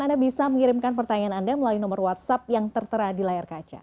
anda bisa mengirimkan pertanyaan anda melalui nomor whatsapp yang tertera di layar kaca